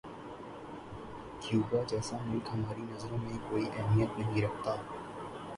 Cuba جیسا ملک ہماری نظروں میں کوئی اہمیت نہیں رکھتا۔